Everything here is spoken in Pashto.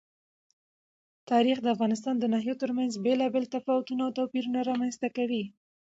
تاریخ د افغانستان د ناحیو ترمنځ بېلابېل تفاوتونه او توپیرونه رامنځ ته کوي.